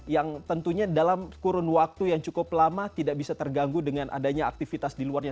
yang tentunya dalam kurun waktu yang cukup lama tidak bisa terganggu dengan adanya aktivitas di luarnya